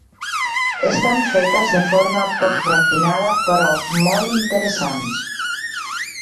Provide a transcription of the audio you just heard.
Estan fetes de forma poc refinada però molt interessants.